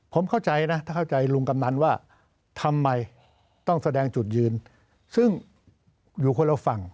ผมเข้าใจนะถ้าเข้าใจลุงกำนันว่าทำไมต้องแสดงจุดยืนซึ่งอยู่คนละฝั่ง